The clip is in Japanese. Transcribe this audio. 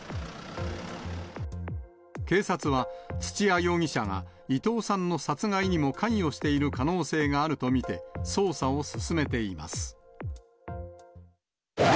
警察は、土屋容疑者が伊藤さんの殺害にも関与している可能性があると見て、捜査を進めています。